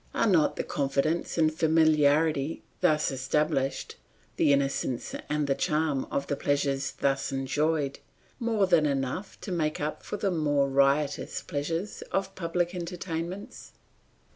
Are not the confidence and familiarity thus established, the innocence and the charm of the pleasures thus enjoyed, more than enough to make up for the more riotous pleasures of public entertainments?